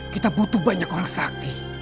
kita butuh banyak orang sakit